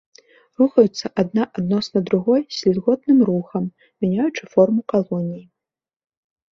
Рухаюцца адна адносна другой слізготным рухам, мяняючы форму калоніі.